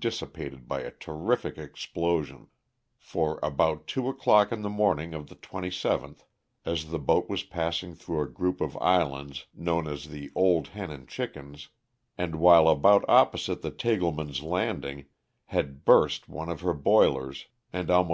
dissipated by a terrific explosion, for, about two o'clock in the morning of the 27th, as the boat was passing through a group of islands known as the '*01d Hen v^nd Chickens," and while about opposite of Tagle man's Landing had burst one of her boilers and almost INTRODUCTIOIS^.